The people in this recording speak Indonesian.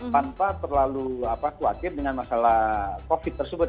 tanpa terlalu khawatir dengan masalah covid tersebut